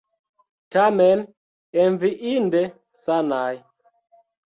Tamen enviinde sanaj.